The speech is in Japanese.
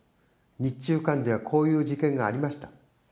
日中間では、こういう事件がありました。